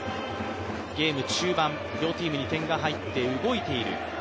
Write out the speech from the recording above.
ゲーム中盤、両チームに点が入って動いている。